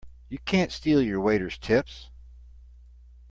You can't steal your waiters' tips!